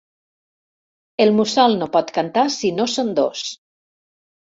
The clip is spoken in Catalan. El mussol no pot cantar si no són dos.